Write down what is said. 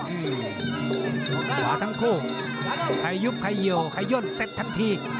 ขวาทั้งคู่ใครหยุบใครหยี่วใครยนต์เต็มทั้งที